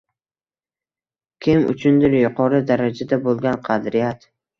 Kim uchundir yuqori darajada bo’lgan qadriyat